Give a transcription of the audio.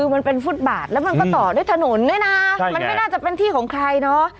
มันเป็นฟุตบาทแล้วมันก็ต่อด้วยถนนด้วยนะมันไม่น่าจะเป็นที่ของใครเนอะ